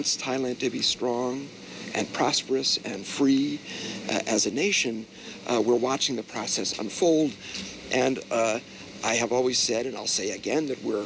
สถานการณ์ต่อไป